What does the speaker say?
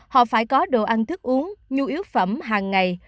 họ phải có đồ ăn thức uống nhu yếu phẩm hàng ngày